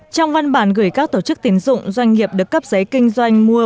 trong văn bản gửi các tổ chức tín dụng doanh nghiệp được cấp giấy kinh doanh mua